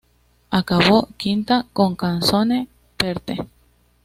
Acabó quinta con Canzone per te.